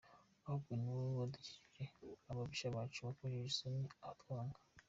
Ahubwo ni wowe wadukijije ababisha bacu, Wakojeje isoni abatwanga.